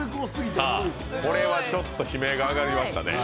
これは悲鳴が上がりましたね。